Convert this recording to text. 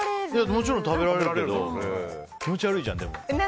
もちろん食べられるけど気持ち悪いじゃん。